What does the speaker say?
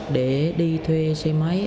để đi thuê xe máy